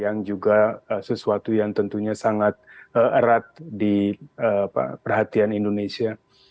yang pentingnya dialog antaragama yang juga sesuatu yang tentunya sangat erat di perhatian indonesia